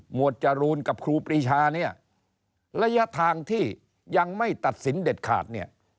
วดจรูนกับครูปรีชาเนี่ยระยะทางที่ยังไม่ตัดสินเด็ดขาดเนี่ย